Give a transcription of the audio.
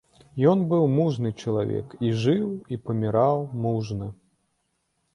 Ён быў мужны чалавек, і жыў, і паміраў мужна.